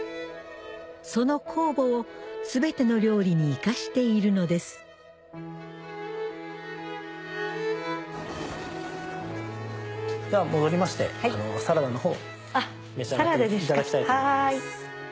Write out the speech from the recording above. その酵母を全ての料理に生かしているのですでは戻りましてサラダの方召し上がっていただきたいと。